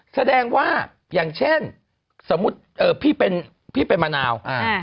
แสดงว่าอย่างเช่นสมมุติพี่เป็นมะนาว